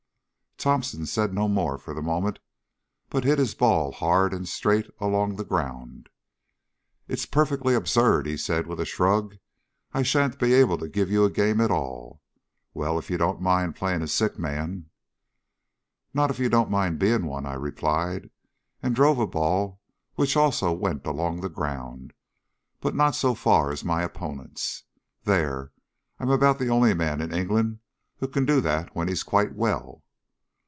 Thomson said no more for the moment but hit his ball hard and straight along the ground. "It's perfectly absurd," he said with a shrug; "I shan't be able to give you a game at all. Well, if you don't mind playing a sick man " "Not if you don't mind being one," I replied, and drove a ball which also went along the ground, but not so far as my opponent's. "There! I'm about the only man in England who can do that when he's quite well."